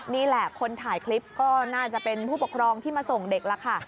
นี่แหละคนถ่ายคลิปก็น่าจะเป็นผู้ปกครองที่มาส่งเด็กล่ะค่ะ